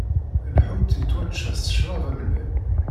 Lḥut yettwačča s ccrab amellal.